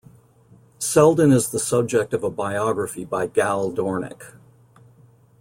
Seldon is the subject of a biography by Gaal Dornick.